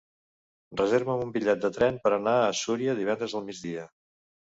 Reserva'm un bitllet de tren per anar a Súria divendres al migdia.